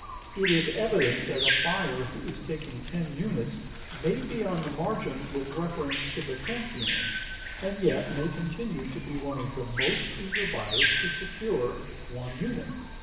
It is evident that a buyer who is taking ten units may be on the margin with reference to the tenth unit, and yet may continue to be one of the most eager buyers to secure one unit.